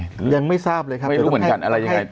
ยังไม่ทราบเลยครับไม่รู้เหมือนกัน